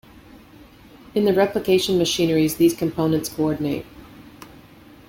In the replication machineries these components coordinate.